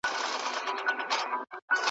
لکه ګڼي ښکلي وریځي د اسمان پر مخ ورکیږي ,